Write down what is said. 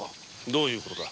どういう事だ？